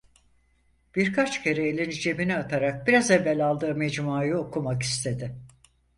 Birkaç kere elini cebine atarak biraz evvel aldığı mecmuayı okumak istedi.